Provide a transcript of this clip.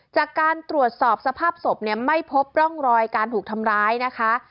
จากการตรวจสอบสภาพศพเนี่ยไม่พบร่องรอยการถูกทำร้ายนะคะ